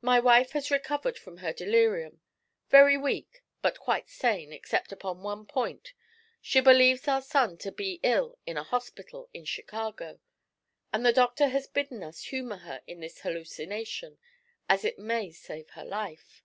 My wife has recovered from her delirium very weak, but quite sane except upon one point she believes our son to be ill in a hospital in Chicago, and the doctor has bidden us humour her in this hallucination, as it may save her life.